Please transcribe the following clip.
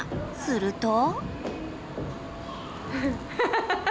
すると。